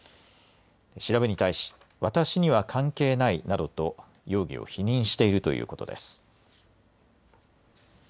調べに対し私には関係ないなどと容疑を否認しているということです。